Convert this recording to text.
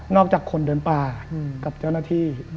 จากคนเดินป่ากับเจ้าหน้าที่